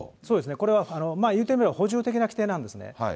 これは、いうてみれば補充的な規定なんですね。